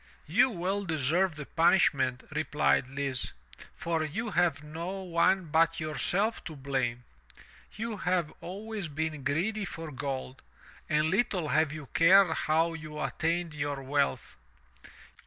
"You well deserve the punishment," replied Lise, "for you have no one but yourself to blame. You have always been greedy for gold, and little have you cared how you attained your wealth.